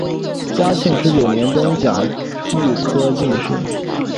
嘉庆十九年登甲戌科进士。